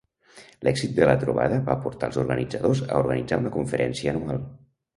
L'èxit de la trobada va portar als organitzadors a organitzar una conferència anual.